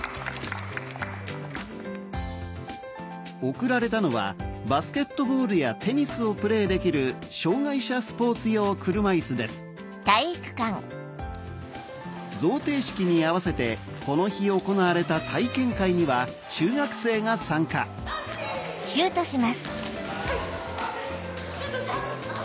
贈られたのはバスケットボールやテニスをプレーできる贈呈式に合わせてこの日行われた体験会には中学生が参加・シュートして！